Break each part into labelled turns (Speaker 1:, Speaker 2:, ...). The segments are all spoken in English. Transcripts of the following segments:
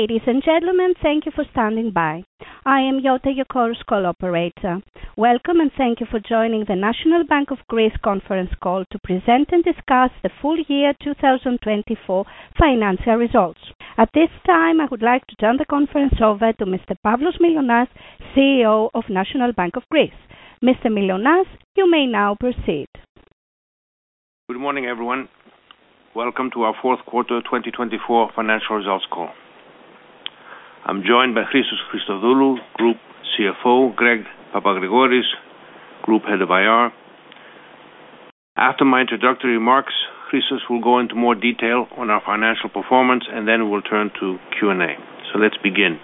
Speaker 1: Ladies and gentlemen, thank you for standing by. I am your teleconference call operator. Welcome, and thank you for joining the National Bank of Greece conference call to present and discuss the full year 2024 financial results. At this time, I would like to turn the conference over to Mr. Pavlos Mylonas, CEO of National Bank of Greece. Mr. Mylonas, you may now proceed.
Speaker 2: Good morning, everyone. Welcome to our fourth quarter 2024 financial results call. I'm joined by Christos Christodoulou, Group CFO, Greg Papagrigoris, Group Head of IR. After my introductory remarks, Christos will go into more detail on our financial performance, and then we'll turn to Q&A. So let's begin.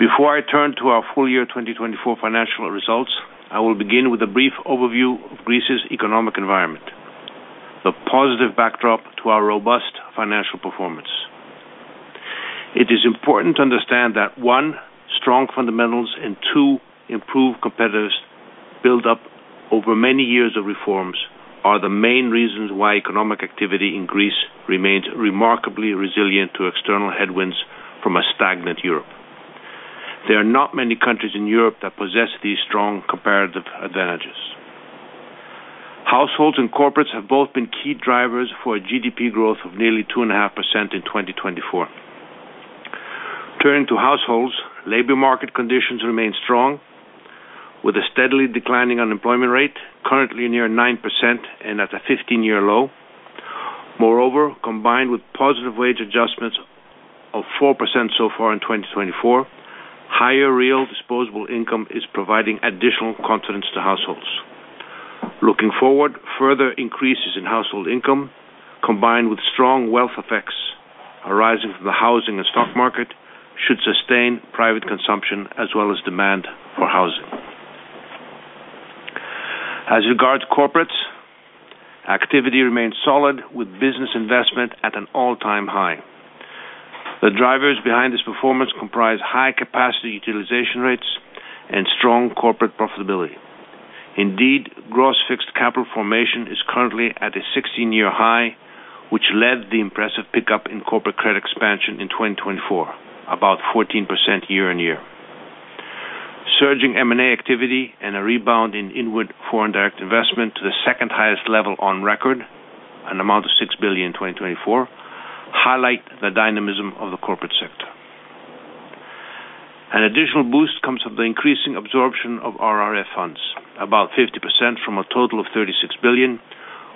Speaker 2: Before I turn to our full year 2024 financial results, I will begin with a brief overview of Greece's economic environment, the positive backdrop to our robust financial performance. It is important to understand that, one, strong fundamentals and, two, improved competitors build up over many years of reforms are the main reasons why economic activity in Greece remains remarkably resilient to external headwinds from a stagnant Europe. There are not many countries in Europe that possess these strong comparative advantages. Households and corporates have both been key drivers for a GDP growth of nearly 2.5% in 2024. Turning to households, labor market conditions remain strong, with a steadily declining unemployment rate currently near 9% and at a 15-year low. Moreover, combined with positive wage adjustments of 4% so far in 2024, higher real disposable income is providing additional confidence to households. Looking forward, further increases in household income, combined with strong wealth effects arising from the housing and stock market, should sustain private consumption as well as demand for housing. As regards corporates, activity remains solid, with business investment at an all-time high. The drivers behind this performance comprise high capacity utilization rates and strong corporate profitability. Indeed, gross fixed capital formation is currently at a 16-year high, which led the impressive pickup in corporate credit expansion in 2024, about 14% year on year. Surging M&A activity and a rebound in inward foreign direct investment to the second highest level on record, an amount of six billion in 2024, highlight the dynamism of the corporate sector. An additional boost comes from the increasing absorption of RRF funds, about 50% from a total of 36 billion,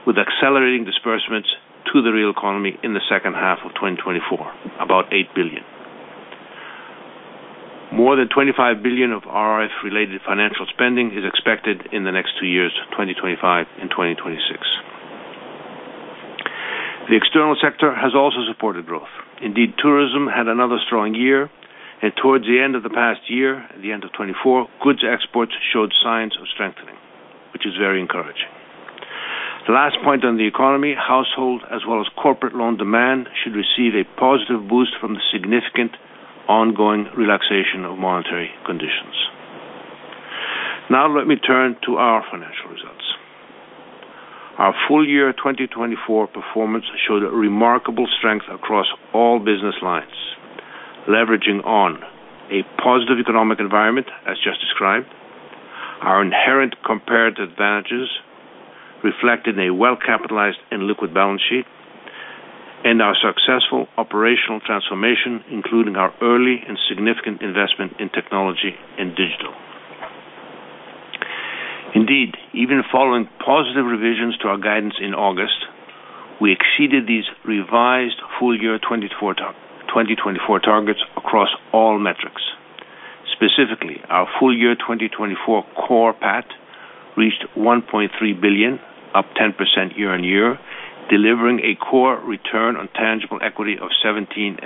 Speaker 2: with accelerating disbursements to the real economy in the second half of 2024, about eight billion. More than 25 billion of RRF-related financial spending is expected in the next two years, 2025 and 2026. The external sector has also supported growth. Indeed, tourism had another strong year, and towards the end of the past year, the end of 2024, goods exports showed signs of strengthening, which is very encouraging. The last point on the economy, household as well as corporate loan demand should receive a positive boost from the significant ongoing relaxation of monetary conditions. Now, let me turn to our financial results. Our full year 2024 performance showed remarkable strength across all business lines, leveraging on a positive economic environment, as just described. Our inherent comparative advantages reflected in a well-capitalized and liquid balance sheet, and our successful operational transformation, including our early and significant investment in technology and digital. Indeed, even following positive revisions to our guidance in August, we exceeded these revised full year 2024 targets across all metrics. Specifically, our full year 2024 core PAT reached 1.3 billion, up 10% year on year, delivering a core return on tangible equity of 17.5%,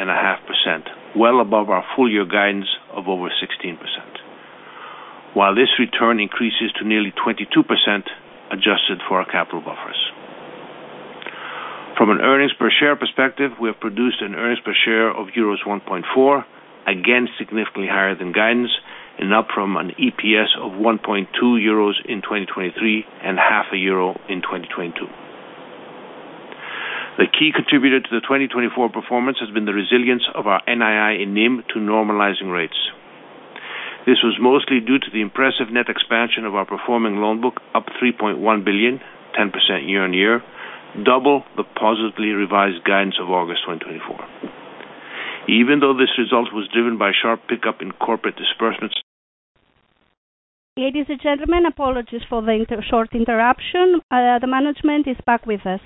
Speaker 2: well above our full year guidance of over 16%. While this return increases to nearly 22% adjusted for our capital buffers. From an earnings per share perspective, we have produced an earnings per share of euros 1.4, again significantly higher than guidance, and up from an EPS of 1.2 euros in 2023 and EUR 0.5 in 2022. The key contributor to the 2024 performance has been the resilience of our NII and NIM to normalizing rates. This was mostly due to the impressive net expansion of our performing loan book, up 3.1 billion, 10% year on year, double the positively revised guidance of August 2024. Even though this result was driven by a sharp pickup in corporate disbursements.
Speaker 1: Ladies and gentlemen, apologies for the short interruption. The management is back with us.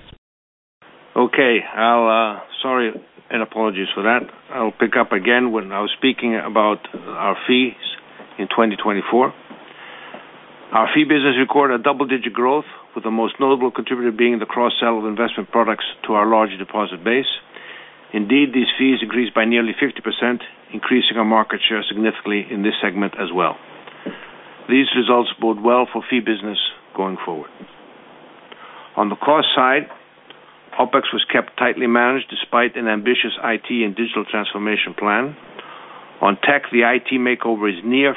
Speaker 2: Okay. Sorry and apologies for that. I'll pick up again when I was speaking about our fees in 2024. Our fee business recorded a double-digit growth, with the most notable contributor being the cross-sell of investment products to our large deposit base. Indeed, these fees increased by nearly 50%, increasing our market share significantly in this segment as well. These results bode well for fee business going forward. On the cost side, OPEX was kept tightly managed despite an ambitious IT and digital transformation plan. On tech, the IT makeover is near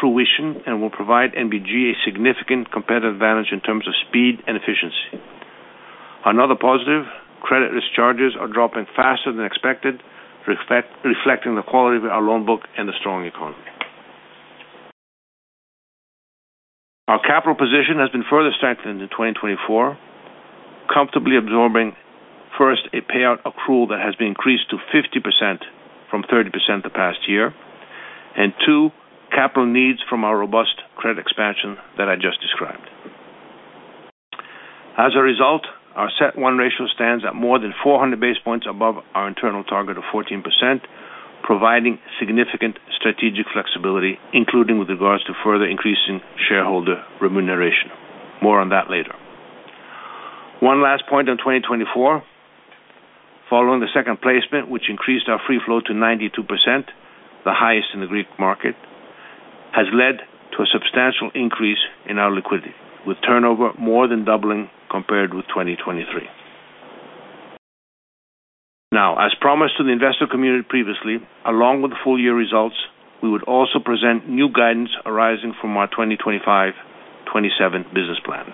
Speaker 2: fruition and will provide NBG a significant competitive advantage in terms of speed and efficiency. Another positive, credit risk charges are dropping faster than expected, reflecting the quality of our loan book and the strong economy. Our capital position has been further strengthened in 2024, comfortably absorbing first a payout accrual that has been increased to 50% from 30% the past year, and two, capital needs from our robust credit expansion that I just described. As a result, our CET1 ratio stands at more than 400 basis points above our internal target of 14%, providing significant strategic flexibility, including with regards to further increasing shareholder remuneration. More on that later. One last point on 2024, following the second placement, which increased our free float to 92%, the highest in the Greek market, has led to a substantial increase in our liquidity, with turnover more than doubling compared with 2023. Now, as promised to the investor community previously, along with the full year results, we would also present new guidance arising from our 2025-27 business plan.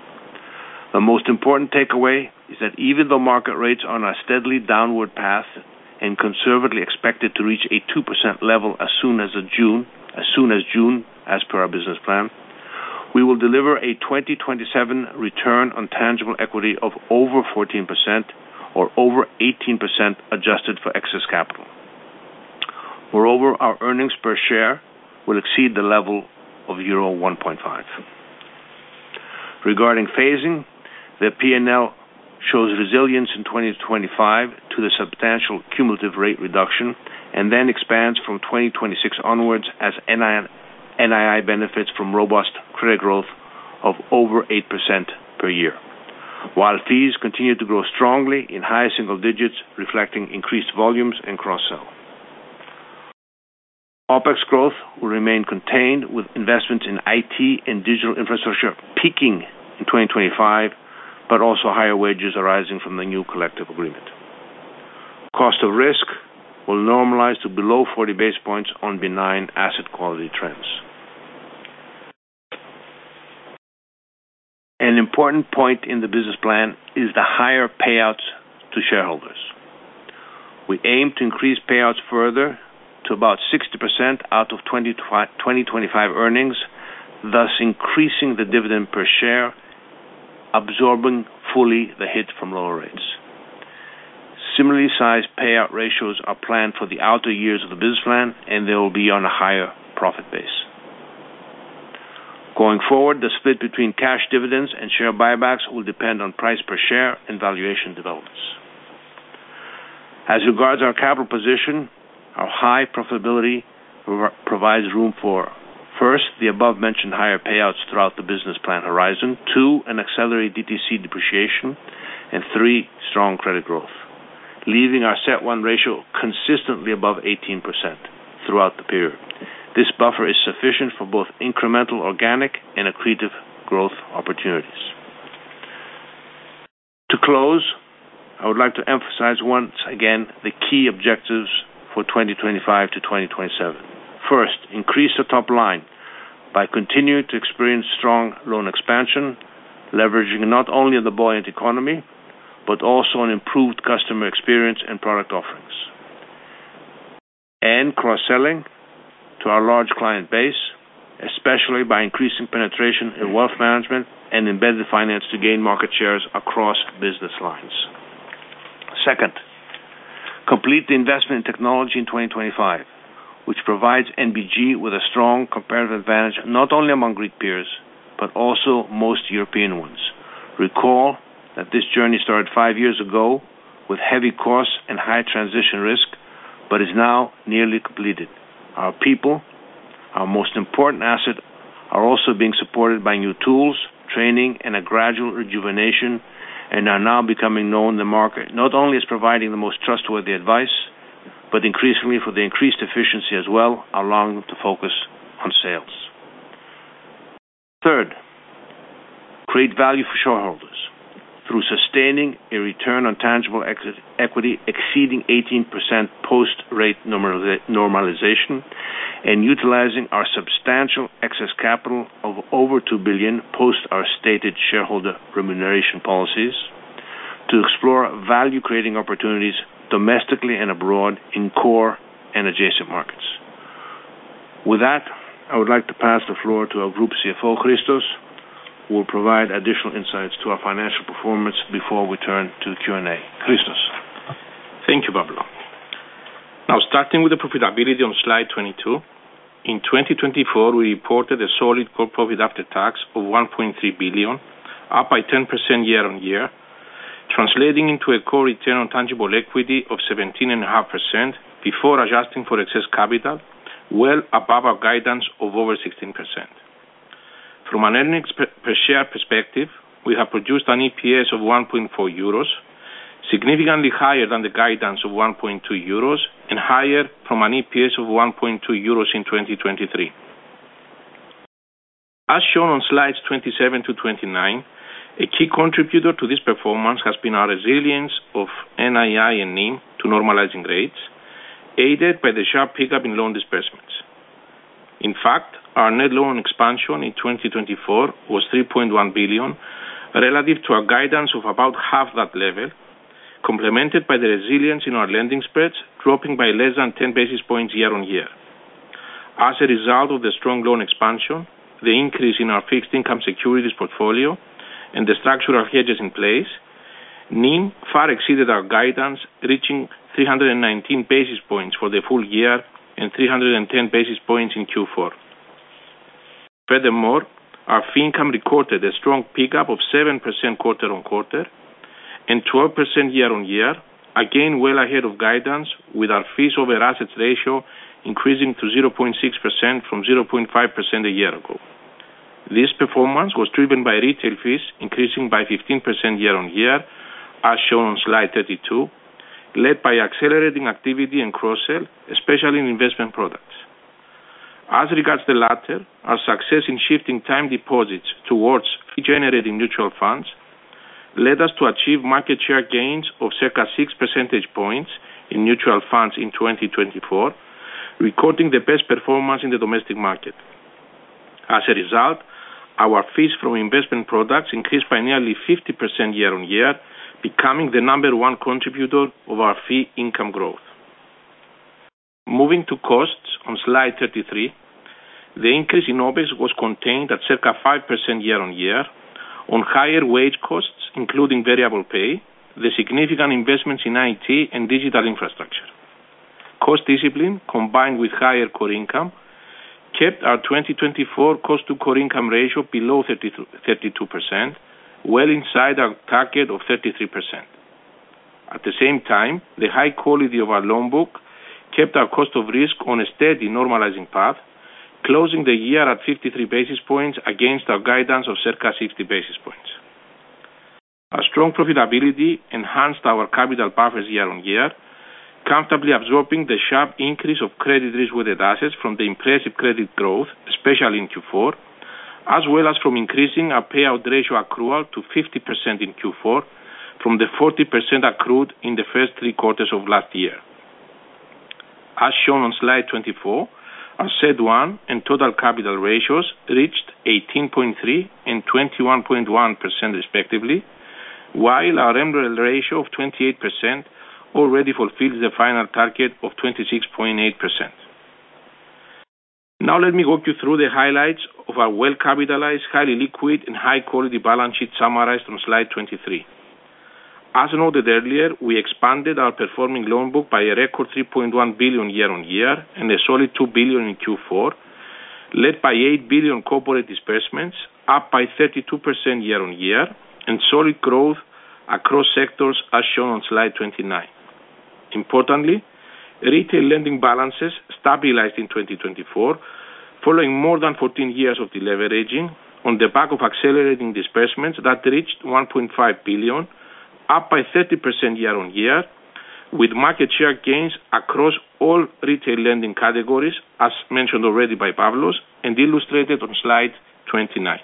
Speaker 2: The most important takeaway is that even though market rates are on a steadily downward path and conservatively expected to reach a 2% level as soon as June, as soon as June as per our business plan, we will deliver a 2027 return on tangible equity of over 14% or over 18% adjusted for excess capital. Moreover, our earnings per share will exceed the level of euro 1.5. Regarding phasing, the P&L shows resilience in 2025 to the substantial cumulative rate reduction and then expands from 2026 onwards as NII benefits from robust credit growth of over 8% per year, while fees continue to grow strongly in high single digits, reflecting increased volumes and cross-sell. OPEX growth will remain contained, with investments in IT and digital infrastructure peaking in 2025, but also higher wages arising from the new collective agreement. Cost of risk will normalize to below 40 basis points on benign asset quality trends. An important point in the business plan is the higher payouts to shareholders. We aim to increase payouts further to about 60% out of 2025 earnings, thus increasing the dividend per share, absorbing fully the hit from lower rates. Similarly sized payout ratios are planned for the outer years of the business plan, and they will be on a higher profit base. Going forward, the split between cash dividends and share buybacks will depend on price per share and valuation developments. As regards our capital position, our high profitability provides room for, first, the above-mentioned higher payouts throughout the business plan horizon, two, an accelerated DTC depreciation, and three, strong credit growth, leaving our CET1 ratio consistently above 18% throughout the period. This buffer is sufficient for both incremental organic and accretive growth opportunities. To close, I would like to emphasize once again the key objectives for 2025 to 2027. First, increase the top line by continuing to experience strong loan expansion, leveraging not only on the buoyant economy but also on improved customer experience and product offerings, and cross-selling to our large client base, especially by increasing penetration in wealth management and embedded finance to gain market shares across business lines. Second, complete the investment in technology in 2025, which provides NBG with a strong comparative advantage not only among Greek peers but also most European ones. Recall that this journey started five years ago with heavy costs and high transition risk, but is now nearly completed. Our people, our most important asset, are also being supported by new tools, training, and a gradual rejuvenation and are now becoming known in the market not only as providing the most trustworthy advice but increasingly for the increased efficiency as well, allowing them to focus on sales. Third, create value for shareholders through sustaining a return on tangible equity exceeding 18% post-rate normalization and utilizing our substantial excess capital of over 2 billion post our stated shareholder remuneration policies to explore value-creating opportunities domestically and abroad in core and adjacent markets. With that, I would like to pass the floor to our Group CFO, Christos, who will provide additional insights to our financial performance before we turn to Q&A. Christos.
Speaker 3: Thank you, Pavlos. Now, starting with the profitability on slide 22, in 2024, we reported a solid core profit after tax of 1.3 billion, up by 10% year on year, translating into a core return on tangible equity of 17.5% before adjusting for excess capital, well above our guidance of over 16%. From an earnings per share perspective, we have produced an EPS of 1.4 euros, significantly higher than the guidance of 1.2 euros and higher from an EPS of 1.2 euros in 2023. As shown on slides 27 to 29, a key contributor to this performance has been our resilience of NII and NIM to normalizing rates, aided by the sharp pickup in loan disbursements. In fact, our net loan expansion in 2024 was 3.1 billion relative to our guidance of about half that level, complemented by the resilience in our lending spreads dropping by less than 10 basis points year on year. As a result of the strong loan expansion, the increase in our fixed income securities portfolio, and the structural hedges in place, NIM far exceeded our guidance, reaching 319 basis points for the full year and 310 basis points in Q4. Furthermore, our fee income recorded a strong pickup of 7% quarter on quarter and 12% year on year, again well ahead of guidance, with our fees over assets ratio increasing to 0.6% from 0.5% a year ago. This performance was driven by retail fees increasing by 15% year on year, as shown on slide 32, led by accelerating activity and cross-sell, especially in investment products. As regards the latter, our success in shifting time deposits towards fee-generating mutual funds led us to achieve market share gains of circa 6 percentage points in mutual funds in 2024, recording the best performance in the domestic market. As a result, our fees from investment products increased by nearly 50% year on year, becoming the number one contributor of our fee income growth. Moving to costs, on slide 33, the increase in OPEX was contained at circa 5% year on year on higher wage costs, including variable pay, the significant investments in IT and digital infrastructure. Cost discipline, combined with higher core income, kept our 2024 cost-to-core income ratio below 32%, well inside our target of 33%. At the same time, the high quality of our loan book kept our cost of risk on a steady normalizing path, closing the year at 53 basis points against our guidance of circa 60 basis points. Our strong profitability enhanced our capital buffers year on year, comfortably absorbing the sharp increase of credit risk-weighted assets from the impressive credit growth, especially in Q4, as well as from increasing our payout ratio accrual to 50% in Q4 from the 40% accrued in the first three quarters of last year. As shown on slide 24, our CET1 and total capital ratios reached 18.3% and 21.1% respectively, while our MREL of 28% already fulfilled the final target of 26.8%. Now, let me walk you through the highlights of our well-capitalized, highly liquid, and high-quality balance sheet summarized on slide 23. As noted earlier, we expanded our performing loan book by a record 3.1 billion year on year and a solid 2 billion in Q4, led by 8 billion corporate disbursements, up by 32% year on year, and solid growth across sectors as shown on slide 29. Importantly, retail lending balances stabilized in 2024 following more than 14 years of deleveraging on the back of accelerating disbursements that reached 1.5 billion, up by 30% year on year, with market share gains across all retail lending categories, as mentioned already by Pavlos and illustrated on slide 29.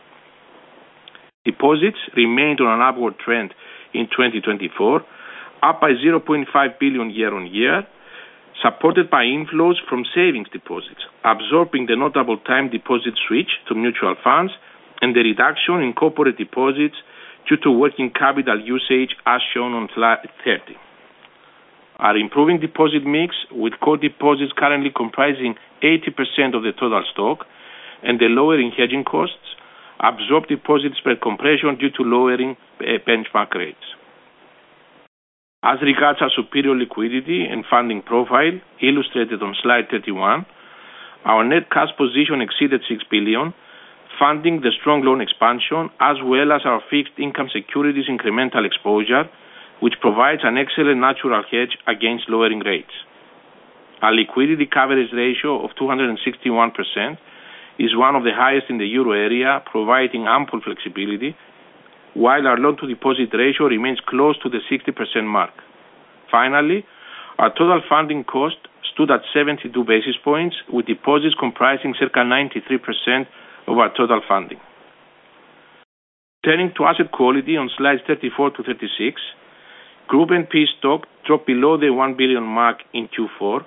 Speaker 3: Deposits remained on an upward trend in 2024, up by 0.5 billion year on year, supported by inflows from savings deposits, absorbing the notable time deposit switch to mutual funds and the reduction in corporate deposits due to working capital usage as shown on slide 30. Our improving deposit mix, with core deposits currently comprising 80% of the total stock and the lowering of hedging costs absorbed deposit spread compression due to lowering benchmark rates. As regards our superior liquidity and funding profile, illustrated on slide 31, our net cash position exceeded 6 billion, funding the strong loan expansion as well as our fixed income securities incremental exposure, which provides an excellent natural hedge against lowering rates. Our liquidity coverage ratio of 261% is one of the highest in the Euro area, providing ample flexibility, while our loan-to-deposit ratio remains close to the 60% mark. Finally, our total funding cost stood at 72 basis points, with deposits comprising circa 93% of our total funding. Turning to asset quality on slides 34 to 36, Group NPE stock dropped below the €1 billion mark in Q4,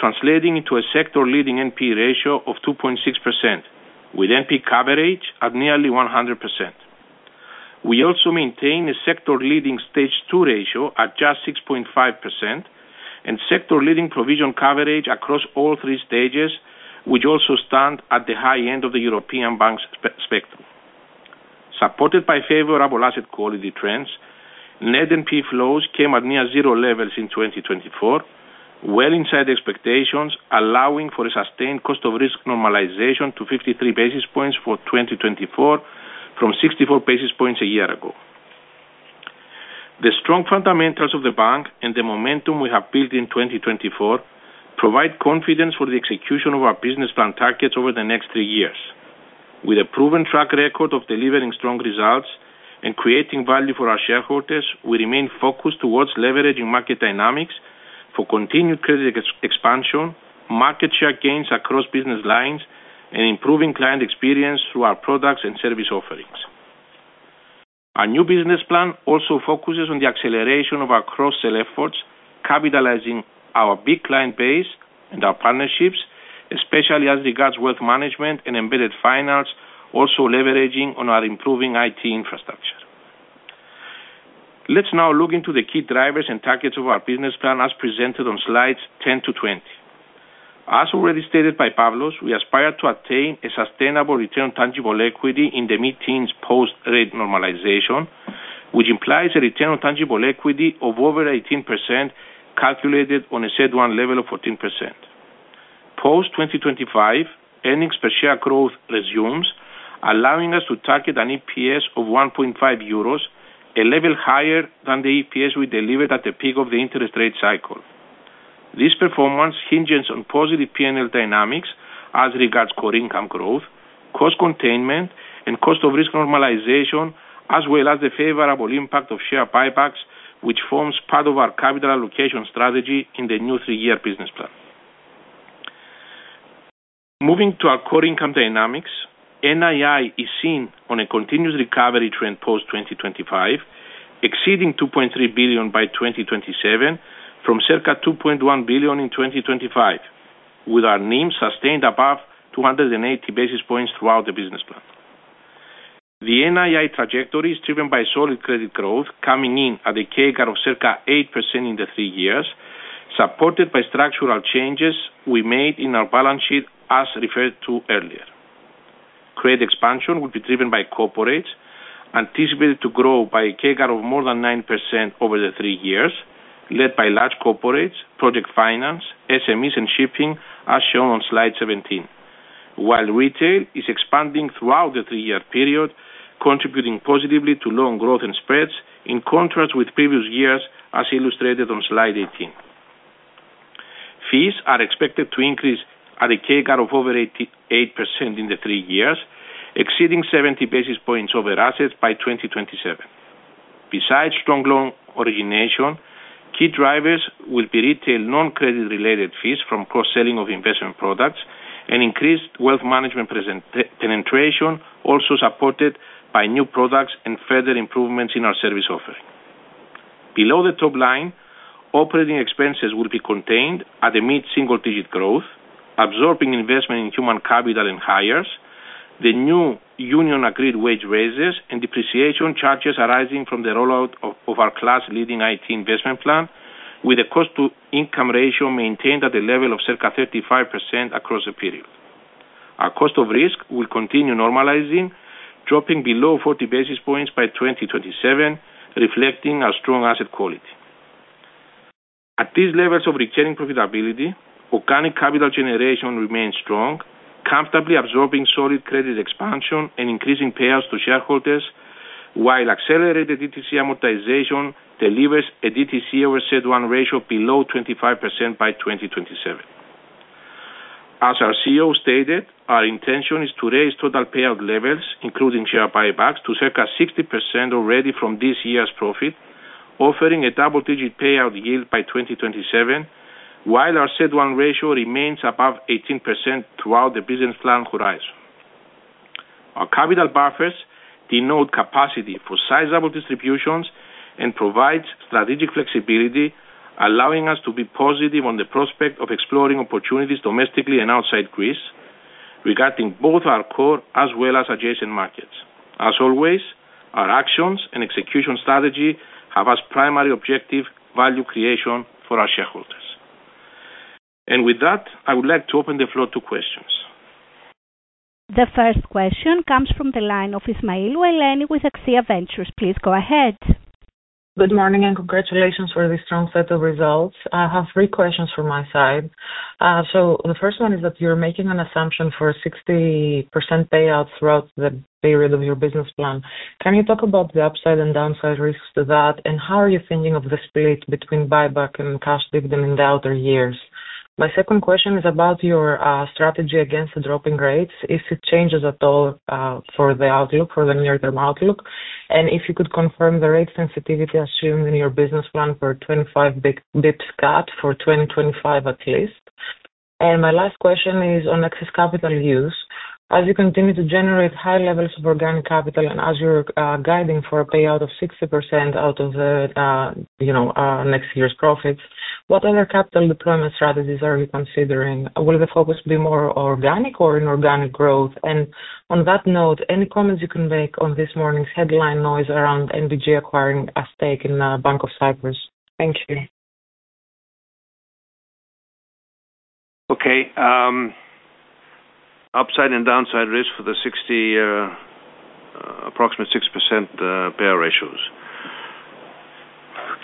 Speaker 3: translating into a sector-leading NPE ratio of 2.6%, with NPE coverage at nearly 100%. We also maintain a sector-leading Stage 2 ratio at just 6.5% and sector-leading provision coverage across all three stages, which also stand at the high end of the European banks' spectrum. Supported by favorable asset quality trends, net NPE flows came at near-zero levels in 2024, well inside expectations, allowing for a sustained cost of risk normalization to 53 basis points for 2024 from 64 basis points a year ago. The strong fundamentals of the bank and the momentum we have built in 2024 provide confidence for the execution of our business plan targets over the next three years. With a proven track record of delivering strong results and creating value for our shareholders, we remain focused towards leveraging market dynamics for continued credit expansion, market share gains across business lines, and improving client experience through our products and service offerings. Our new business plan also focuses on the acceleration of our cross-sell efforts, capitalizing our big client base and our partnerships, especially as regards wealth management and embedded finance, also leveraging on our improving IT infrastructure. Let's now look into the key drivers and targets of our business plan as presented on slides 10 to 20. As already stated by Pavlos, we aspire to attain a sustainable return on tangible equity in the mid-teens post-rate normalization, which implies a return on tangible equity of over 18% calculated on a CET1 level of 14%. Post-2025, earnings per share growth resumes, allowing us to target an EPS of 1.5 euros, a level higher than the EPS we delivered at the peak of the interest rate cycle. This performance hinges on positive P&L dynamics as regards core income growth, cost containment, and cost-of-risk normalization, as well as the favorable impact of share buybacks, which forms part of our capital allocation strategy in the new three-year business plan. Moving to our core income dynamics, NII is seen on a continuous recovery trend post-2025, exceeding 2.3 billion by 2027 from circa 2.1 billion in 2025, with our NIM sustained above 280 basis points throughout the business plan. The NII trajectory is driven by solid credit growth coming in at a CAGR of circa 8% in the three years, supported by structural changes we made in our balance sheet as referred to earlier. Credit expansion will be driven by corporates, anticipated to grow by a CAGR of more than 9% over the three years, led by large corporates, project finance, SMEs, and shipping as shown on slide 17, while retail is expanding throughout the three-year period, contributing positively to loan growth and spreads in contrast with previous years as illustrated on slide 18. Fees are expected to increase at a CAGR of over 8% in the three years, exceeding 70 basis points over assets by 2027. Besides strong loan origination, key drivers will be retail non-credit-related fees from cross-selling of investment products and increased wealth management penetration, also supported by new products and further improvements in our service offering. Below the top line, operating expenses will be contained at a mid-single-digit growth, absorbing investment in human capital and hires, the new union-agreed wage raises, and depreciation charges arising from the rollout of our class-leading IT investment plan, with the cost-to-income ratio maintained at a level of circa 35% across the period. Our cost-of-risk will continue normalizing, dropping below 40 basis points by 2027, reflecting our strong asset quality. At these levels of retaining profitability, organic capital generation remains strong, comfortably absorbing solid credit expansion and increasing payouts to shareholders, while accelerated DTC amortization delivers a DTC over CET1 ratio below 25% by 2027. As our CEO stated, our intention is to raise total payout levels, including share buybacks, to circa 60% already from this year's profit, offering a double-digit payout yield by 2027, while our CET1 ratio remains above 18% throughout the business plan horizon. Our capital buffers denote capacity for sizable distributions and provide strategic flexibility, allowing us to be positive on the prospect of exploring opportunities domestically and outside Greece regarding both our core as well as adjacent markets. As always, our actions and execution strategy have as primary objective value creation for our shareholders, and with that, I would like to open the floor to questions.
Speaker 1: The first question comes from the line of Eleni Ismailou with AXIA Ventures. Please go ahead.
Speaker 4: Good morning and congratulations for the strong set of results. I have three questions from my side, so the first one is that you're making an assumption for 60% payouts throughout the period of your business plan. Can you talk about the upside and downside risks to that, and how are you thinking of the split between buyback and cash dividend in the outer years? My second question is about your strategy against the dropping rates. If it changes at all for the outlook, for the near-term outlook, and if you could confirm the rate sensitivity assumed in your business plan for 25 basis points cut for 2025 at least. And my last question is on excess capital use. As you continue to generate high levels of organic capital and as you're guiding for a payout of 60% out of the next year's profits, what other capital deployment strategies are you considering? Will the focus be more organic or inorganic growth? And on that note, any comments you can make on this morning's headline noise around NBG acquiring a stake in Bank of Cyprus? Thank you.
Speaker 2: Okay. Upside and downside risk for the 60, approximate 6% payout ratios.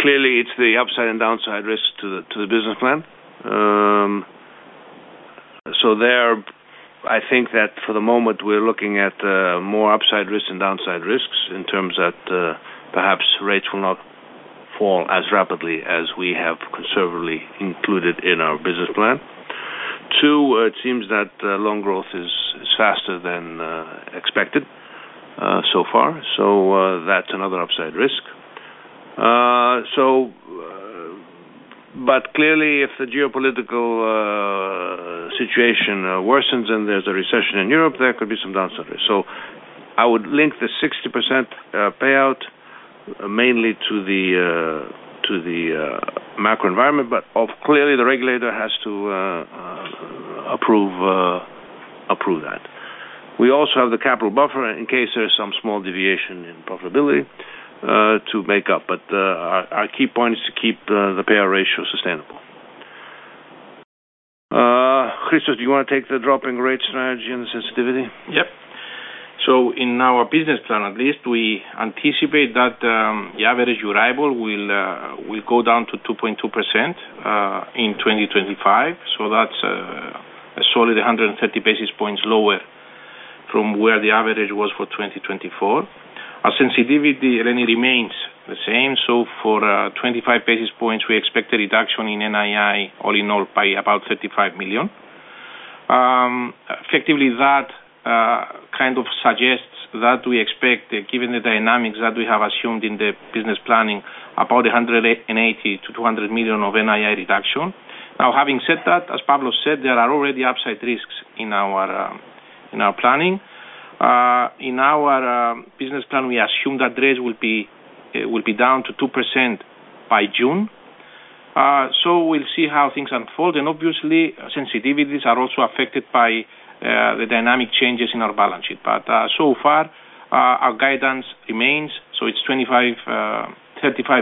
Speaker 2: Clearly, it's the upside and downside risk to the business plan. So there, I think that for the moment we're looking at more upside risks and downside risks in terms that perhaps rates will not fall as rapidly as we have conservatively included in our business plan. Two, it seems that loan growth is faster than expected so far. So that's another upside risk. But clearly, if the geopolitical situation worsens and there's a recession in Europe, there could be some downside risk. So I would link the 60% payout mainly to the macro environment, but clearly the regulator has to approve that. We also have the capital buffer in case there's some small deviation in profitability to make up, but our key point is to keep the payout ratio sustainable. Christos, do you want to take the dropping rate strategy and the sensitivity? Yep.
Speaker 3: So in our business plan, at least, we anticipate that the average Euribor will go down to 2.2% in 2025. So that's a solid 130 basis points lower from where the average was for 2024. Our sensitivity remains the same. So for 25 basis points, we expect a reduction in NII all in all by about 35 million. Effectively, that kind of suggests that we expect, given the dynamics that we have assumed in the business planning, about 180 million-200 million of NII reduction. Now, having said that, as Pavlos said, there are already upside risks in our planning. In our business plan, we assume that rates will be down to 2% by June. So we'll see how things unfold. And obviously, sensitivities are also affected by the dynamic changes in our balance sheet. But so far, our guidance remains. So it's 25-35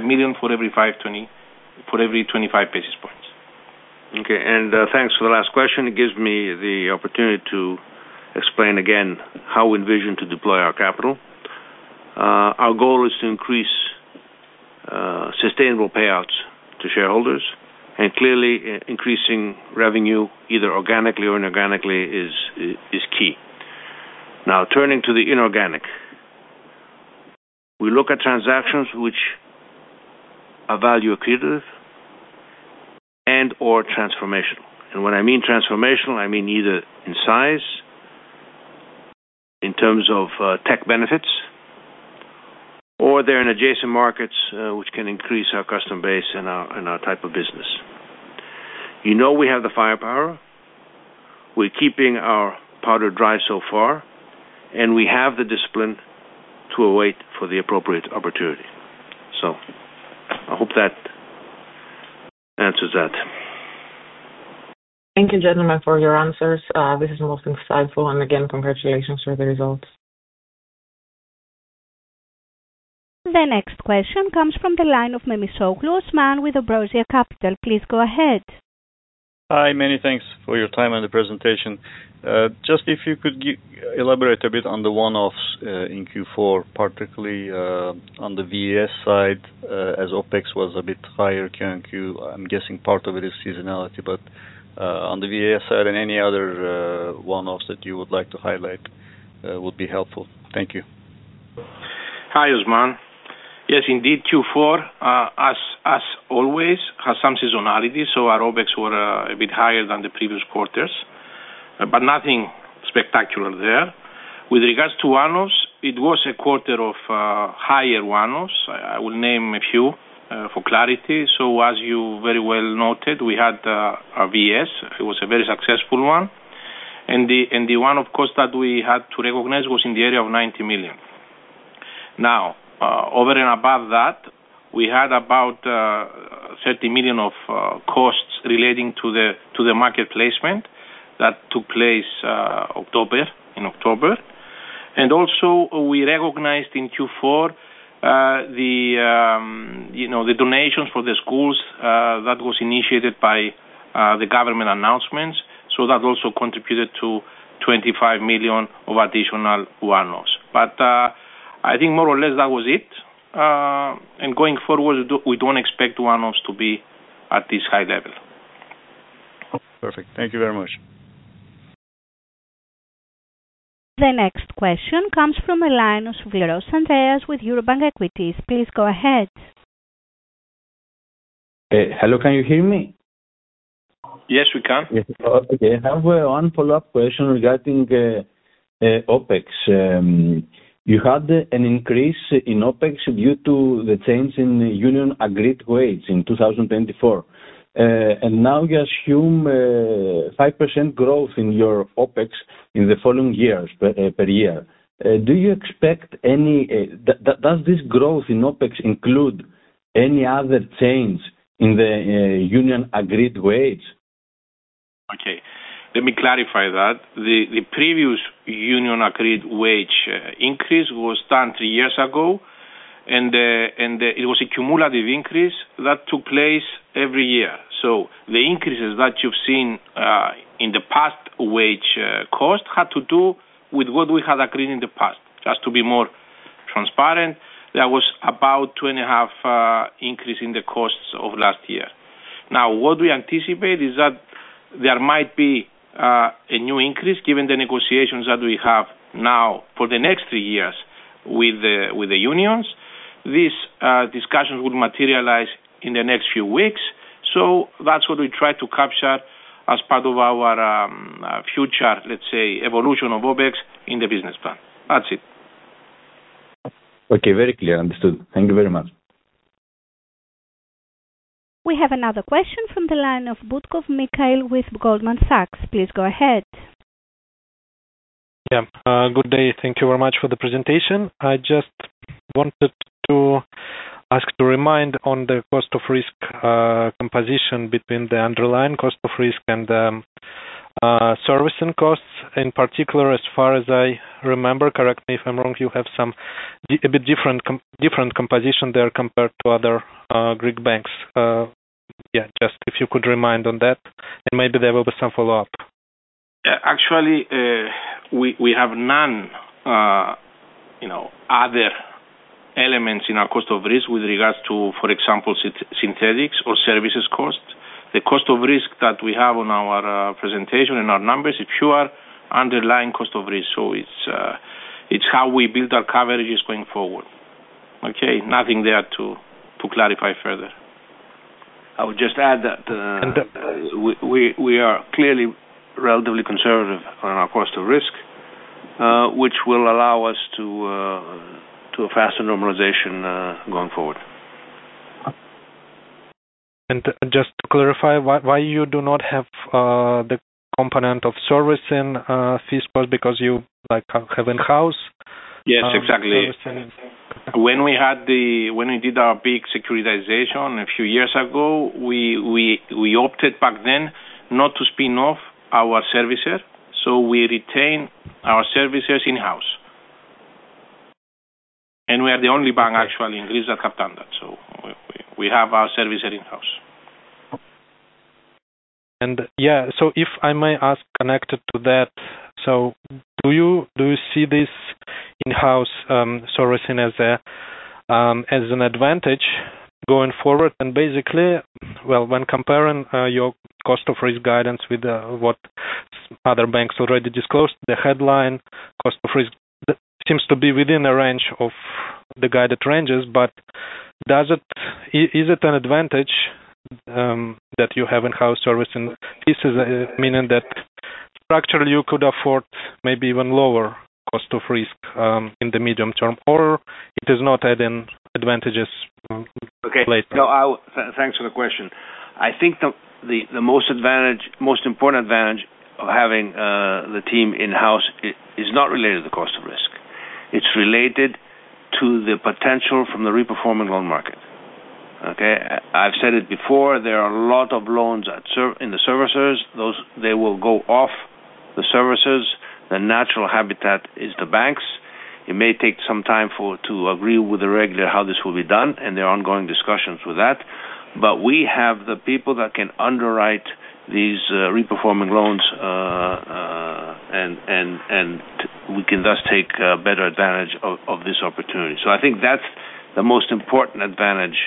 Speaker 3: million for every 25 basis points. Okay. And thanks for the last question. It gives me the opportunity to explain again how we envision to deploy our capital. Our goal is to increase sustainable payouts to shareholders, and clearly, increasing revenue either organically or inorganically is key. Now, turning to the inorganic, we look at transactions which are value accretive and/or transformational. And when I mean transformational, I mean either in size, in terms of tech benefits, or they're in adjacent markets which can increase our customer base and our type of business. We have the firepower. We're keeping our powder dry so far, and we have the discipline to await for the appropriate opportunity. So I hope that answers that.
Speaker 1: Thank you, gentlemen, for your answers. This is most insightful, and again, congratulations for the results. The next question comes from the line of Osman Memisoglu from Ambrosia Capital. Please go ahead.
Speaker 5: Hi, Meni. Thanks for your time and the presentation. Just if you could elaborate a bit on the one-offs in Q4, particularly on the VES side as OPEX was a bit higher QoQ. I'm guessing part of it is seasonality, but on the VES side and any other one-offs that you would like to highlight would be helpful. Thank you.
Speaker 3: Hi, Osman. Yes, indeed, Q4, as always, has some seasonality, so our OPEX were a bit higher than the previous quarters, but nothing spectacular there. With regards to one-offs, it was a quarter of higher one-offs. I will name a few for clarity. So as you very well noted, we had a VES. It was a very successful one. And the one-off cost that we had to recognize was in the area of 90 million. Now, over and above that, we had about 30 million of costs relating to the market placement that took place in October. And also, we recognized in Q4 the donations for the schools that were initiated by the government announcements. So that also contributed to 25 million of additional one-offs. But I think more or less that was it. And going forward, we don't expect one-offs to be at this high level.
Speaker 5: Perfect. Thank you very much.
Speaker 1: The next question comes from Andreas Souvleros with Eurobank Equities. Please go ahead.
Speaker 6: Hello, can you hear me? Yes, we can. Yes. Okay. I have one follow-up question regarding OPEX. You had an increase in OPEX due to the change in union-agreed wages in 2024. And now you assume 5% growth in your OPEX in the following years, per year. Do you expect any? Does this growth in OPEX include any other change in the union-agreed wage?
Speaker 3: Okay. Let me clarify that. The previous union-agreed wage increase was done three years ago, and it was a cumulative increase that took place every year. So the increases that you've seen in the past wage cost had to do with what we had agreed in the past. Just to be more transparent, there was about two and a half increases in the costs of last year. Now, what we anticipate is that there might be a new increase given the negotiations that we have now for the next three years with the unions. These discussions will materialize in the next few weeks. So that's what we try to capture as part of our future, let's say, evolution of OPEX in the business plan. That's it.
Speaker 6: Okay. Very clear. Understood. Thank you very much.
Speaker 1: We have another question from the line of Mikhail Butkov with Goldman Sachs. Please go ahead.
Speaker 7: Yeah. Good day. Thank you very much for the presentation. I just wanted to ask to remind on the cost of risk composition between the underlying cost of risk and the servicing costs. In particular, as far as I remember, correct me if I'm wrong, you have a bit different composition there compared to other Greek banks. Yeah. Just if you could remind on that, and maybe there will be some follow-up.
Speaker 3: Yeah. Actually, we have none other elements in our cost of risk with regards to, for example, synthetics or servicing costs. The cost of risk that we have on our presentation and our numbers is pure underlying cost of risk. So it's how we build our coverages going forward. Okay? Nothing there to clarify further.
Speaker 2: I would just add that we are clearly relatively conservative on our cost of risk, which will allow us to have a faster normalization going forward.
Speaker 7: And just to clarify, why you do not have the component of servicing fees because you have in-house?
Speaker 3: Yes, exactly. When we did our big securitization a few years ago, we opted back then not to spin off our services. So we retained our services in-house. And we are the only bank, actually, in Greece that have done that. So we have our services in-house.
Speaker 7: And yeah, so if I may ask connected to that, so do you see this in-house servicing as an advantage going forward? And basically, well, when comparing your cost of risk guidance with what other banks already disclosed, the headline cost of risk seems to be within the range of the guided ranges, but is it an advantage that you have in-house servicing fees, meaning that structurally you could afford maybe even lower cost of risk in the medium term, or it is not adding advantages?
Speaker 2: Okay. Thanks for the question. I think the most important advantage of having the team in-house is not related to the cost of risk. It's related to the potential from the reperforming loan market. Okay? I've said it before. There are a lot of loans in the servicers. They will go off the servicers. The natural habitat is the banks. It may take some time to agree with the regulator how this will be done, and there are ongoing discussions with that. But we have the people that can underwrite these reperforming loans, and we can thus take better advantage of this opportunity. So I think that's the most important advantage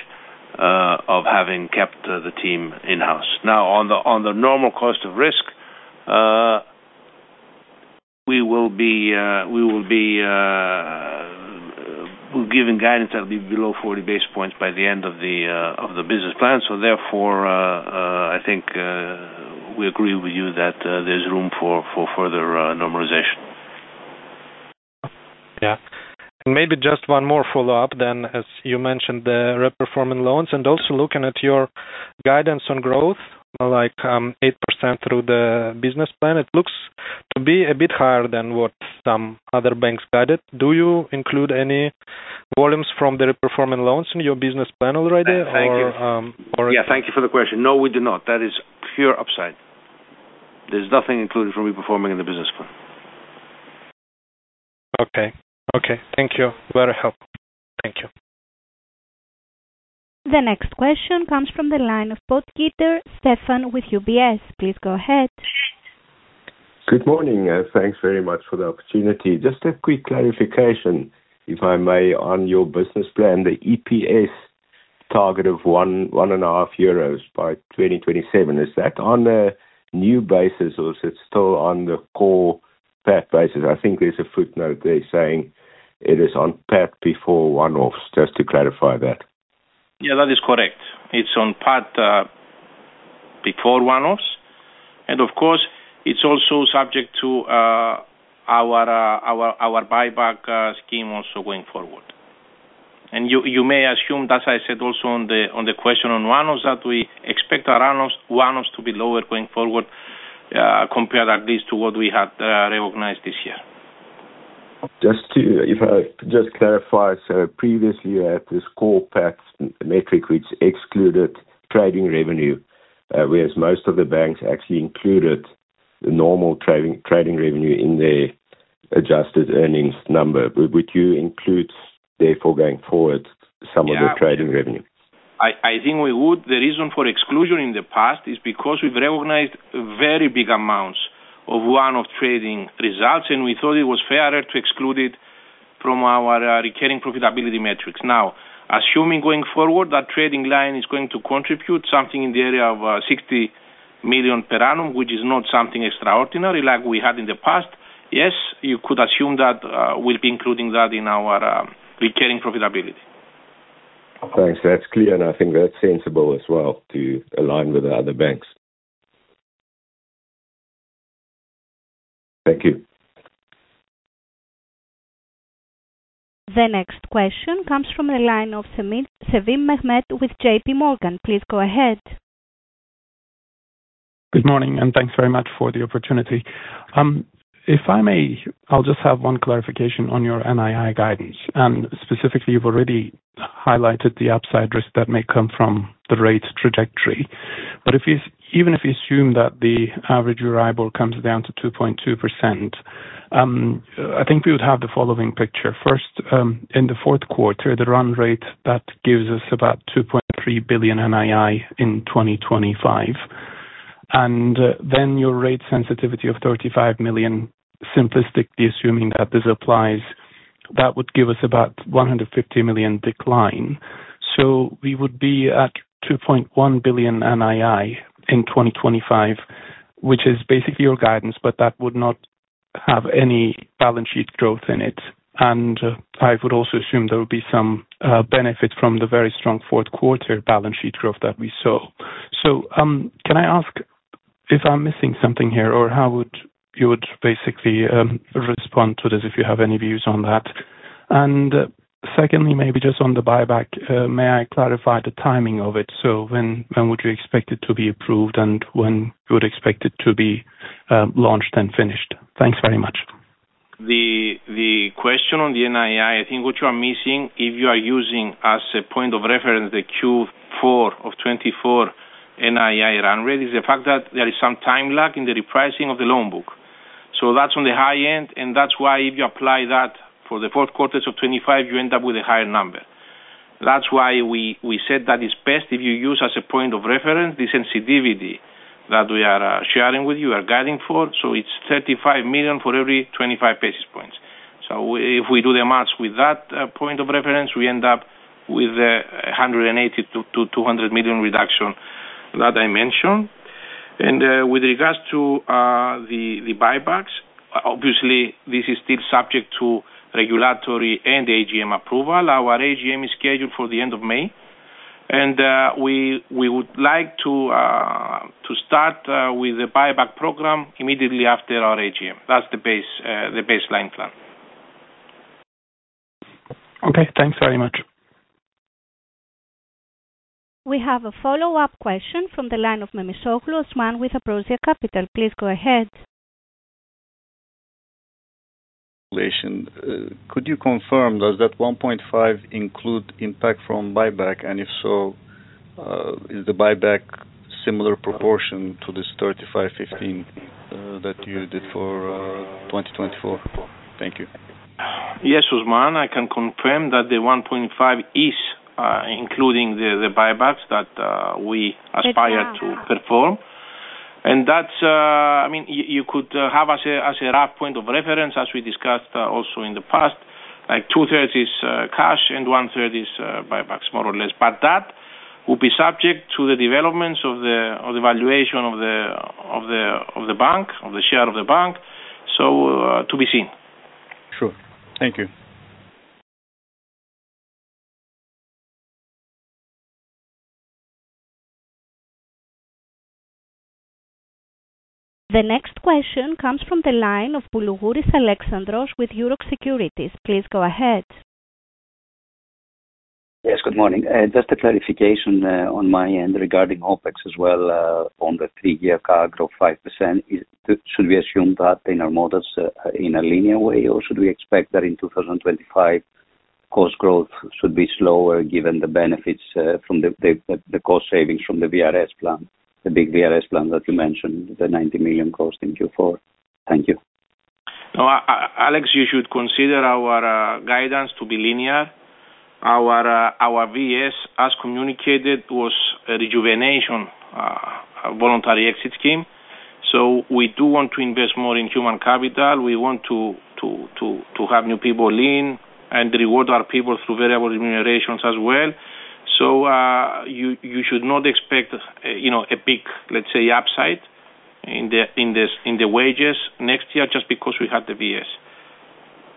Speaker 2: of having kept the team in-house. Now, on the normal cost of risk, we will be giving guidance that will be below 40 basis points by the end of the business plan. So therefore, I think we agree with you that there's room for further normalization.
Speaker 7: Yeah. And maybe just one more follow-up then, as you mentioned the reperforming loans and also looking at your guidance on growth, like 8% through the business plan, it looks to be a bit higher than what some other banks guided. Do you include any volumes from the reperforming loans in your business plan already, or?
Speaker 2: Yeah. Thank you for the question. No, we do not. That is pure upside. There's nothing included from reperforming in the business plan.
Speaker 7: Okay. Okay. Thank you. Very helpful. Thank you.
Speaker 1: The next question comes from the line of Stephan Potetter with UBS. Please go ahead. Good morning. Thanks very much for the opportunity. Just a quick clarification, if I may, on your business plan, the EPS target of 1.5 euros by 2027. Is that on a new basis, or is it still on the core PAT basis? I think there's a footnote there saying it is on PAT before one-offs, just to clarify that.
Speaker 3: Yeah, that is correct. It's on PAT before one-offs. And of course, it's also subject to our buyback scheme also going forward. And you may assume, as I said also on the question on one-offs, that we expect our one-offs to be lower going forward compared at least to what we had recognized this year. Just to clarify, so previously you had this core PAT metric which excluded trading revenue, whereas most of the banks actually included the normal trading revenue in their adjusted earnings number. Would you include, therefore, going forward, some of the trading revenue? I think we would. The reason for exclusion in the past is because we've recognized very big amounts of one-off trading results, and we thought it was fairer to exclude it from our recurring profitability metrics. Now, assuming going forward that trading line is going to contribute something in the area of 60 million per annum, which is not something extraordinary like we had in the past, yes, you could assume that we'll be including that in our recurring profitability. Thanks. That's clear, and I think that's sensible as well to align with the other banks. Thank you.
Speaker 1: The next question comes from the line of Mehmet Sevim with J.P. Morgan. Please go ahead.
Speaker 8: Good morning, and thanks very much for the opportunity. If I may, I'll just have one clarification on your NII guidance. Specifically, you've already highlighted the upside risk that may come from the rate trajectory. Even if you assume that the average variable comes down to 2.2%, I think we would have the following picture. First, in the fourth quarter, the run rate that gives us about 2.3 billion NII in 2025. Then your rate sensitivity of 35 million, simplistically assuming that this applies, that would give us about 150 million decline. So we would be at 2.1 billion NII in 2025, which is basically your guidance, but that would not have any balance sheet growth in it. I would also assume there would be some benefit from the very strong fourth quarter balance sheet growth that we saw. So can I ask if I'm missing something here, or how would you basically respond to this if you have any views on that? And secondly, maybe just on the buyback, may I clarify the timing of it? So when would you expect it to be approved, and when would you expect it to be launched and finished? Thanks very much.
Speaker 3: The question on the NII. I think what you are missing, if you are using as a point of reference the Q4 of 2024 NII run rate, is the fact that there is some time lag in the repricing of the loan book. That's on the high end, and that's why if you apply that for the fourth quarters of 2025, you end up with a higher number. That's why we said that it's best if you use as a point of reference the sensitivity that we are sharing with you, our guiding force. It's 35 million for every 25 basis points. If we do the math with that point of reference, we end up with a 180-200 million reduction that I mentioned. With regards to the buybacks, obviously, this is still subject to regulatory and AGM approval. Our AGM is scheduled for the end of May, and we would like to start with the buyback program immediately after our AGM. That's the baseline plan.
Speaker 1: Okay. Thanks very much. We have a follow-up question from the line of Osman Memisoglu with Ambrosia Capital. Please go ahead.
Speaker 5: Could you confirm, does that 1.5 include impact from buyback? And if so, is the buyback similar proportion to this 3.5, 1.5 that you did for 2024? Thank you.
Speaker 3: Yes, Osman. I can confirm that the 1.5 is including the buybacks that we aspire to perform. And that's, I mean, you could have as a rough point of reference, as we discussed also in the past, like two-thirds is cash and one-third is buybacks, more or less. But that would be subject to the developments of the valuation of the bank, of the share of the bank. So to be seen.
Speaker 5: Sure. Thank you.
Speaker 1: The next question comes from the line of Alexandros Boulougouris with Euroxx Securities. Please go ahead.
Speaker 9: Yes. Good morning. Just a clarification on my end regarding OPEX as well on the three-year CAGR of 5%. Should we assume that in our models in a linear way, or should we expect that in 2025, cost growth should be slower given the benefits from the cost savings from the VES plan, the big VES plan that you mentioned, the 90 million cost in Q4? Thank you.
Speaker 3: Alex, you should consider our guidance to be linear. Our VES, as communicated, was a rejuvenation, voluntary exit scheme. So we do want to invest more in human capital. We want to have new people in and reward our people through variable remunerations as well. So you should not expect a big, let's say, upside in the wages next year just because we had the VES.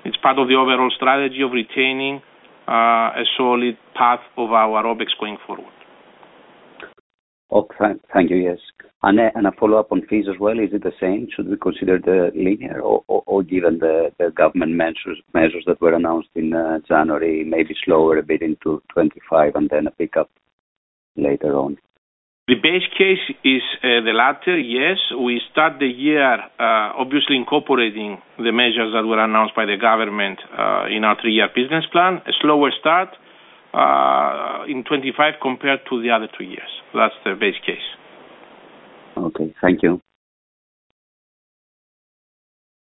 Speaker 3: It's part of the overall strategy of retaining a solid path of our OPEX going forward.
Speaker 9: Thank you. Yes. And a follow-up on fees as well. Is it the same? Should we consider the linear or, given the government measures that were announced in January, maybe slower a bit into 2025 and then a pickup later on?
Speaker 3: The base case is the latter, yes. We start the year, obviously, incorporating the measures that were announced by the government in our three-year business plan: a slower start in 2025 compared to the other two years. That's the base case.
Speaker 9: Okay. Thank you.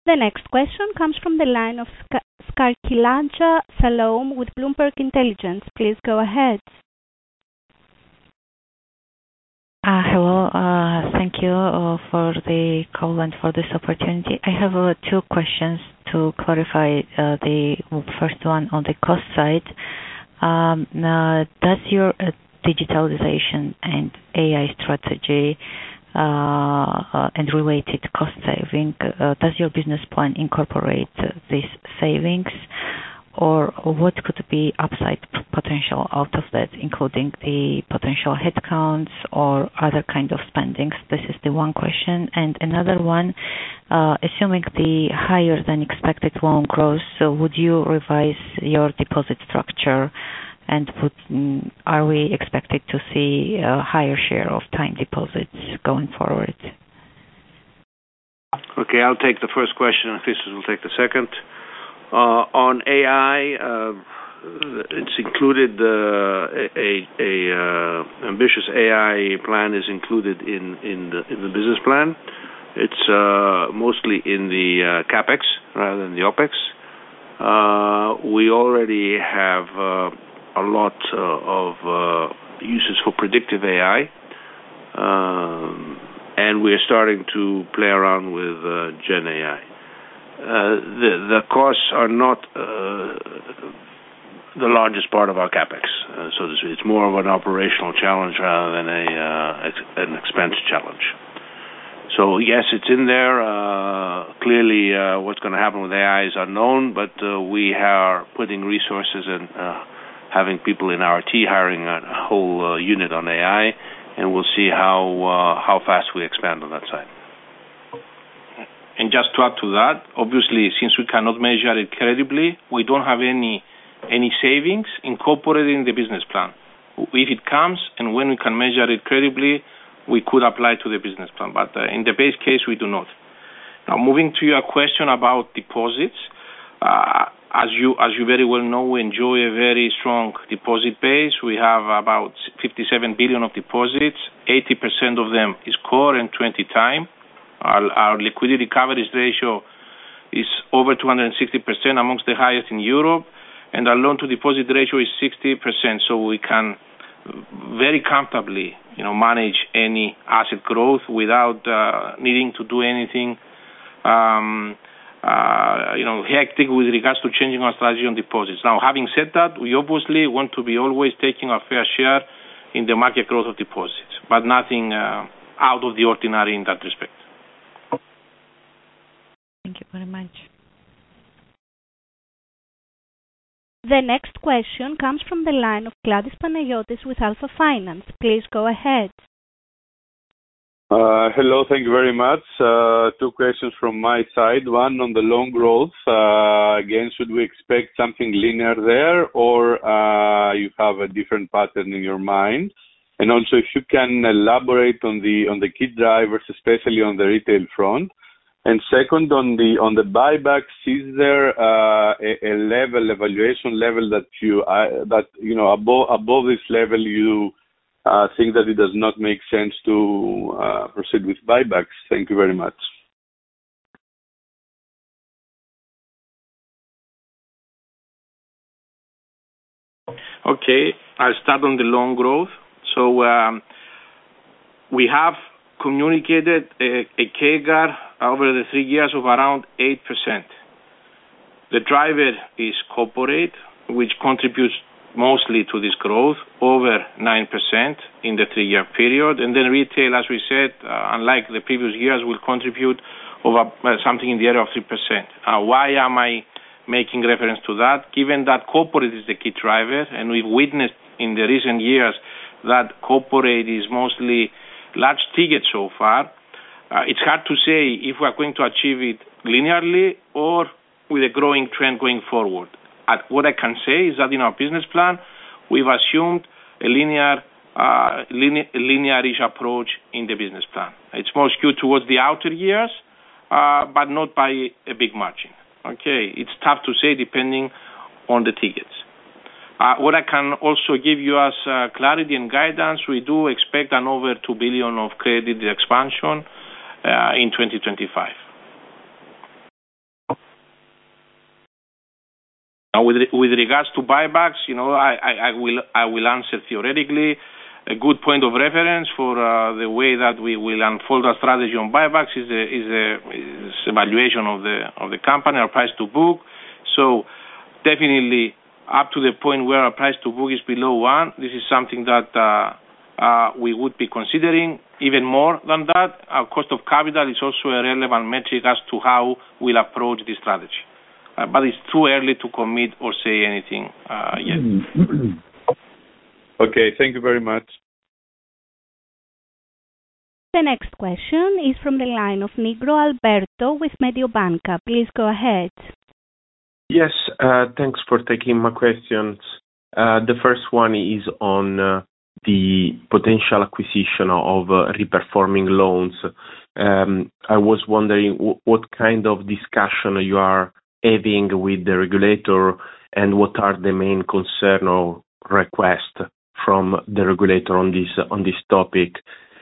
Speaker 1: The next question comes from the line of Salome Skhirtladze with Bloomberg Intelligence. Please go ahead. Hello.
Speaker 10: Thank you for the call and for this opportunity. I have two questions to clarify. The first one on the cost side. Does your digitalization and AI strategy and related cost saving, does your business plan incorporate these savings, or what could be upside potential out of that, including the potential headcounts or other kinds of spending? This is the one question. Another one, assuming the higher-than-expected loan growth, would you revise your deposit structure, and are we expected to see a higher share of time deposits going forward?
Speaker 2: Okay. I'll take the first question, and if this is, we'll take the second. On AI, it's included. An ambitious AI plan is included in the business plan. It's mostly in the CapEx rather than the OpEx. We already have a lot of uses for predictive AI, and we are starting to play around with GenAI. The costs are not the largest part of our CapEx, so to speak. It's more of an operational challenge rather than an expense challenge. So yes, it's in there. Clearly, what's going to happen with AI is unknown, but we are putting resources and having people in our team hiring a whole unit on AI, and we'll see how fast we expand on that side.
Speaker 3: Just to add to that, obviously, since we cannot measure it credibly, we don't have any savings incorporated in the business plan. If it comes and when we can measure it credibly, we could apply to the business plan. But in the base case, we do not. Now, moving to your question about deposits, as you very well know, we enjoy a very strong deposit base. We have about 57 billion of deposits. 80% of them is core and 20% time. Our liquidity coverage ratio is over 260%, among the highest in Europe. Our loan-to-deposit ratio is 60%, so we can very comfortably manage any asset growth without needing to do anything hectic with regards to changing our strategy on deposits. Now, having said that, we obviously want to be always taking a fair share in the market growth of deposits, but nothing out of the ordinary in that respect.
Speaker 10: Thank you very much.
Speaker 1: The next question comes from the line of Panagiotis Kladis with Alpha Finance. Please go ahead.
Speaker 11: Hello. Thank you very much. Two questions from my side. One on the loan growth. Again, should we expect something linear there, or you have a different pattern in your mind? And also, if you can elaborate on the key drivers, especially on the retail front. And second, on the buybacks, is there a level, valuation level that you above this level, you think that it does not make sense to proceed with buybacks? Thank you very much.
Speaker 3: Okay. I'll start on the loan growth. So we have communicated a CAGR over the three years of around 8%. The driver is corporate, which contributes mostly to this growth, over 9% in the three-year period. And then retail, as we said, unlike the previous years, will contribute something in the area of 3%. Why am I making reference to that? Given that corporate is the key driver, and we've witnessed in the recent years that corporate is mostly large tickets so far, it's hard to say if we are going to achieve it linearly or with a growing trend going forward. What I can say is that in our business plan, we've assumed a linear-ish approach in the business plan. It's more skewed towards the outer years, but not by a big margin. Okay. It's tough to say depending on the tickets. What I can also give you as clarity and guidance, we do expect an over 2 billion of credit expansion in 2025. Now, with regards to buybacks, I will answer theoretically. A good point of reference for the way that we will unfold our strategy on buybacks is evaluation of the company or price to book. So definitely, up to the point where our price to book is below one, this is something that we would be considering. Even more than that, our cost of capital is also a relevant metric as to how we'll approach this strategy. But it's too early to commit or say anything yet.
Speaker 11: Okay. Thank you very much.
Speaker 1: The next question is from the line of Alberto Nigro with Mediobanca. Please go ahead.
Speaker 12: Yes. Thanks for taking my questions. The first one is on the potential acquisition of reperforming loans. I was wondering what kind of discussion you are having with the regulator and what are the main concern or request from the regulator on this topic.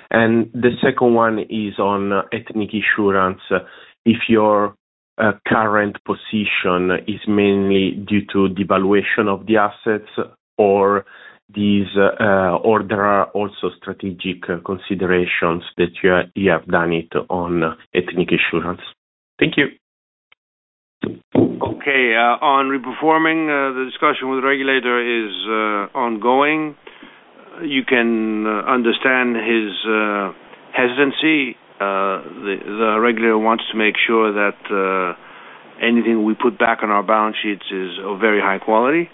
Speaker 12: The second one is on Ethniki Insurance. If your current position is mainly due to devaluation of the assets or there are also strategic considerations that you have done it on Ethniki Insurance. Thank you.
Speaker 2: Okay. On reperforming, the discussion with the regulator is ongoing. You can understand his hesitancy. The regulator wants to make sure that anything we put back on our balance sheets is of very high quality.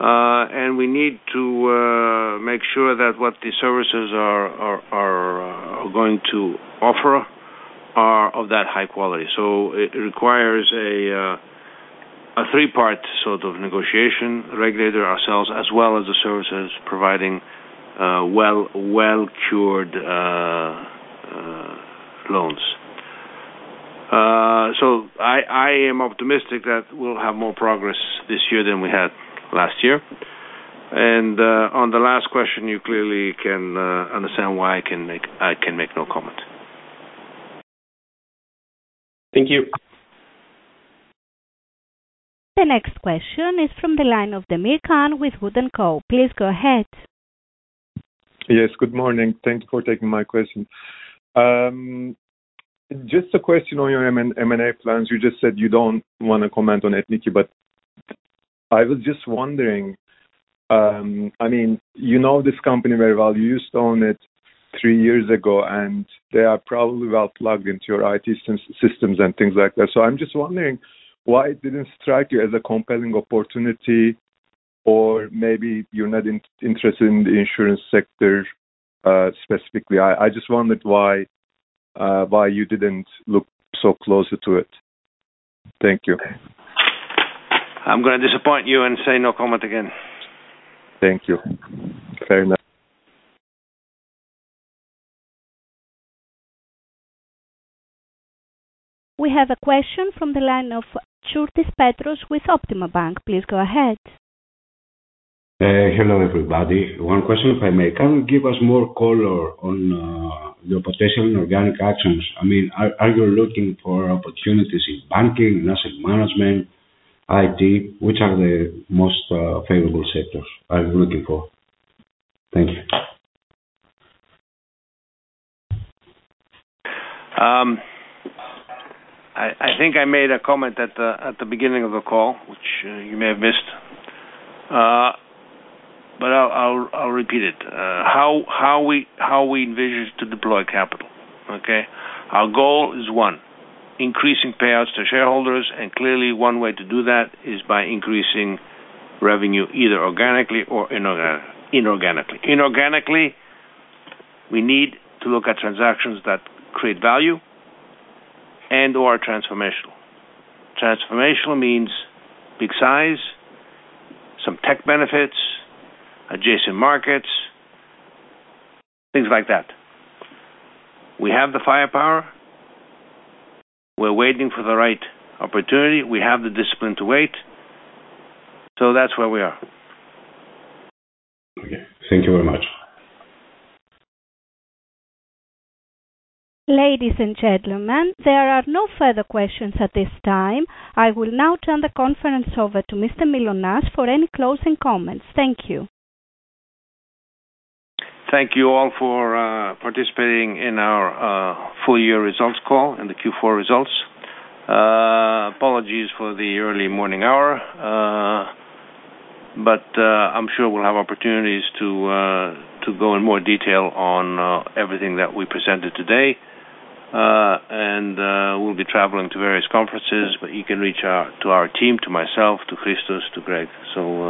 Speaker 2: And we need to make sure that what the servicers are going to offer are of that high quality. So it requires a three-part sort of negotiation, regulator, ourselves, as well as the servicers providing well-cured loans. So I am optimistic that we'll have more progress this year than we had last year. And on the last question, you clearly can understand why I can make no comment. Thank you.
Speaker 1: The next question is from the line of Can Demir with Wood & Company. Please go ahead.
Speaker 13: Yes. Good morning. Thank you for taking my question. Just a question on your M&A plans. You just said you don't want to comment on Ethniki, but I was just wondering. I mean, you know this company very well. You used to own it three years ago, and they are probably well plugged into your IT systems and things like that. So I'm just wondering why it didn't strike you as a compelling opportunity, or maybe you're not interested in the insurance sector specifically. I just wondered why you didn't look so closely to it. Thank you.
Speaker 3: I'm going to disappoint you and say no comment again.
Speaker 13: Thank you. Fair enough.
Speaker 1: We have a question from the line of Petros Tsourtis with Optima Bank. Please go ahead.
Speaker 14: Hello everybody. One question if I may. Can you give us more color on your potential in inorganic actions? I mean, are you looking for opportunities in banking, asset management, IT? Which are the most favorable sectors are you looking for? Thank you.
Speaker 2: I think I made a comment at the beginning of the call, which you may have missed. But I'll repeat it. How we envision to deploy capital, okay? Our goal is one, increasing payouts to shareholders, and clearly one way to do that is by increasing revenue either organically or inorganically. Inorganically, we need to look at transactions that create value and/or are transformational. Transformational means big size, some tech benefits, adjacent markets, things like that. We have the firepower. We're waiting for the right opportunity. We have the discipline to wait. So that's where we are.
Speaker 14: Okay. Thank you very much.
Speaker 1: Ladies and gentlemen, there are no further questions at this time. I will now turn the conference over to Mr. Mylonas for any closing comments. Thank you.
Speaker 2: Thank you all for participating in our full-year results call and the Q4 results. Apologies for the early morning hour, but I'm sure we'll have opportunities to go in more detail on everything that we presented today. And we'll be traveling to various conferences, but you can reach out to our team, to myself, to Christos, to Greg, so.